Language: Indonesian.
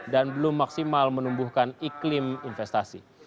dan belum maksimal menumbuhkan iklim investasi